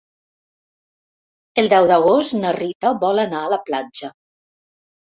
El deu d'agost na Rita vol anar a la platja.